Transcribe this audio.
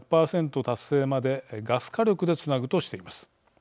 達成までガス火力でつなぐとしています。